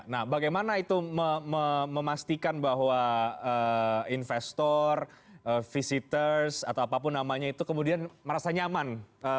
nah bagaimana itu memastikan bahwa investor visitors atau apapun namanya itu kemudian merasa nyaman